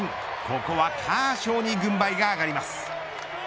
ここはカーショーに軍配が上がります。